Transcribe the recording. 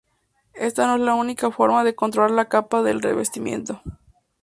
Ésta no es la única forma de controlar la capa del revestimiento.